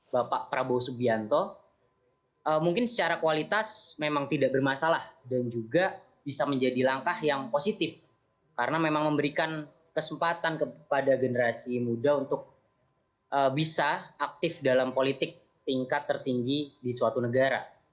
bapak prabowo subianto mungkin secara kualitas memang tidak bermasalah dan juga bisa menjadi langkah yang positif karena memang memberikan kesempatan kepada generasi muda untuk bisa aktif dalam politik tingkat tertinggi di suatu negara